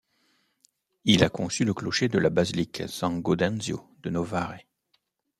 Il a conçu le clocher de la Basilique San Gaudenzio de Novare.